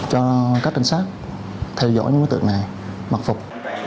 cho các trinh sát theo dõi những đối tượng này mặc phục